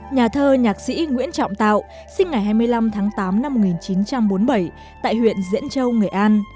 nhà thơ nhạc sĩ nguyễn trọng tạo sinh ngày hai mươi năm tháng tám năm một nghìn chín trăm bốn mươi bảy tại huyện diễn châu nghệ an